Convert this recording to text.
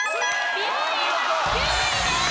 美容院は９位です。